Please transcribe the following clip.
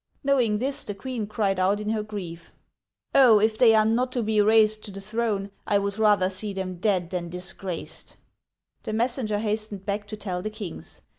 Knowing this, the queen cried out in her grief, Oh ! if they are not to be raised to the throne, I would rather see them dead than disgraced !" The messenger hastened back to tell the kings.